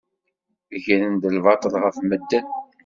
Gren-d lbaṭel ɣef medden.